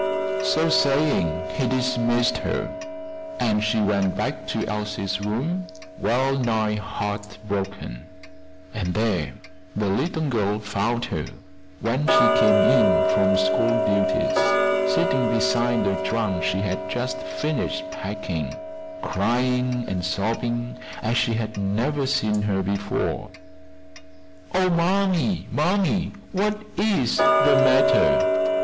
So saying he dismissed her, and she went back to Elsie's room wellnigh heart broken; and there the little girl found her when she came in from school duties, sitting beside the trunk she had just finished packing, crying and sobbing as she had never seen her before. "Oh, mammy, mammy! what is the matter?